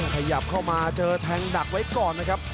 ขยับเข้ามาเจอแทงดักไว้ก่อนนะครับ